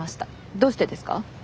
どうしてですか？